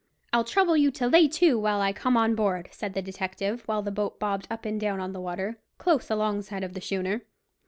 "I'll trouble you to lay to while I come on board," said the detective, while the boat bobbed up and down on the water, close alongside of the schooner.